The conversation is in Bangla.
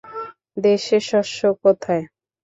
দেশে শস্য কোথায়?